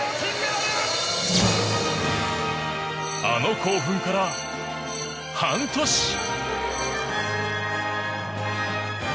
あの興奮から、半年。